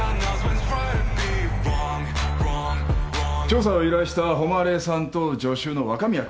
調査を依頼した誉さんと助手の若宮君です。